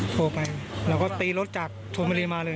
โทรไปแล้วก็ตีรถจากทวนมารีมาเลย